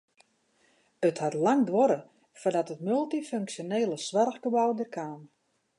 It hat lang duorre foardat it multyfunksjonele soarchgebou der kaam.